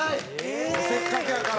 せっかくやから。